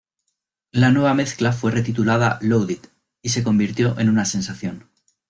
La nueva mezcla fue retitulada "Loaded", y se convirtió en una sensación.